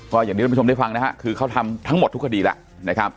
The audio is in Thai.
ก็อย่างที่ท่านผู้ชมได้ฟังนะฮะคือเขาทำทั้งหมดทุกคดีแล้วนะครับ